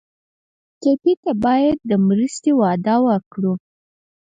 ټپي ته باید د مرستې وعده وکړو.